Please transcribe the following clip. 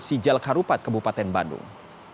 sijal karupat kebupaten bandung